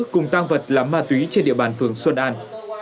cùng tăng vật là ma túy trên địa bàn phường xuân an